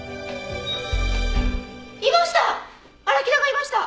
いました！